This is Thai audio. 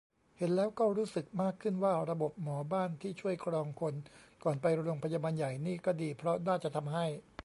เห็นแล้วก็รู้สึกมากขึ้นว่า ระบบหมอบ้านที่ช่วยกรองคนก่อนไปโรงพยาบาลใหญ่นี่ก็ดี เพราะน่าจะทำให้